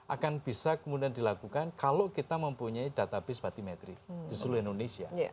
akan bisa kemudian dilakukan kalau kita mempunyai database batimetri di seluruh indonesia